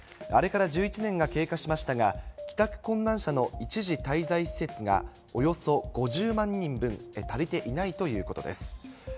あれから１１年が経過しましたが、帰宅困難者の一時滞在施設がおよそ５０万人分足りていないということです。